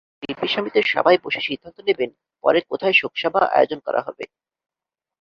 শিল্পী সমিতির সবাই বসে সিদ্ধান্ত নেবেন পরে কোথায় শোকসভা আয়োজন করা হবে।